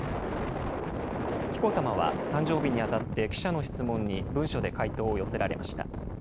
紀子さまは誕生日にあたって、記者の質問に文書で回答を寄せられました。